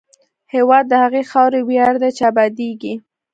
هېواد د هغې خاورې ویاړ دی چې ابادېږي.